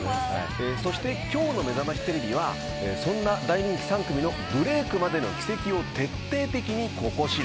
そして今日のめざましテレビはそんな大人気３組のブレイクまでの軌跡を徹底的にココ調。